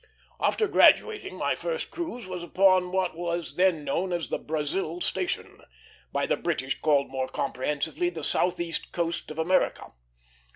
After graduating, my first cruise was upon what was then known as the Brazil Station; by the British called more comprehensively the Southeast Coast of America.